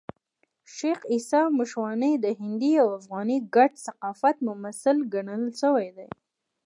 شېخ عیسي مشواڼي د هندي او افغاني ګډ ثقافت ممثل ګڼل سوى دئ.